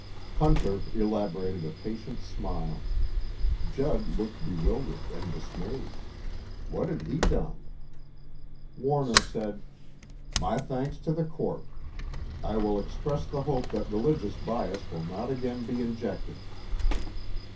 Hunter elaborated a patient smile. Judd looked bewildered and dismayed: what had he done? Warner said: "My thanks to the Court. I will express the hope that religious bias will not again be injected."